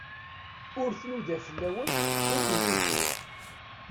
Ur tnuda fell-awen, ur ken-tufi.